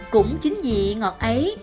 cũng chính vì ngọt ấy